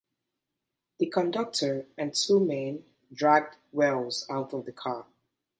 The conductor and two men dragged Wells out of the car.